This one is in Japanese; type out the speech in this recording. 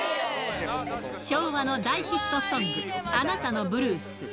昭和の大ヒットソング、あなたのブルース。